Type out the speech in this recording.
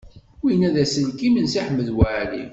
Winna d aselkim n Si Ḥmed Waɛli?